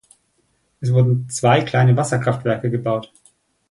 Es wurden zwei kleine Wasserkraftwerke gebaut.